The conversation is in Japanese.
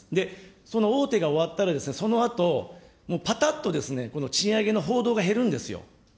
その大手が終わったら、そのあと、もうぱたっとこの賃上げの報道が減るんですよ。